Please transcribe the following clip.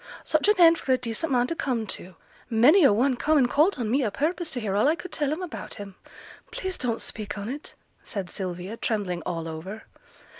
Such an end for a decent man to come to! Many a one come an' called on me o' purpose to hear all I could tell 'em about him!' 'Please don't speak on it!' said Sylvia, trembling all over.